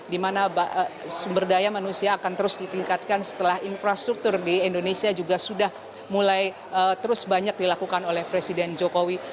di mana sumber daya manusia akan terus ditingkatkan setelah infrastruktur di indonesia juga sudah mulai terus banyak dilakukan oleh presiden jokowi